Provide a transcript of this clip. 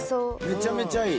めちゃめちゃいい。